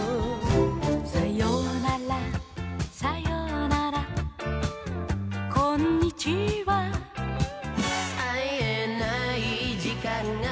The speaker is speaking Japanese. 「さよならさよならこんにちわ」「会えない時間が」